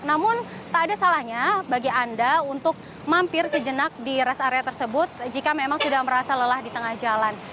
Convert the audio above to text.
namun tak ada salahnya bagi anda untuk mampir sejenak di rest area tersebut jika memang sudah merasa lelah di tengah jalan